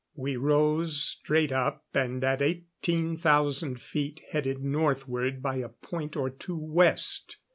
We rose straight up and, at 18,000 feet, headed northward by a point or two west.